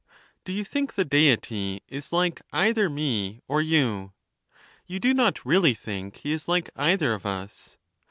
Do you think the Deity is like either me or you? You do not really think he is like either of us.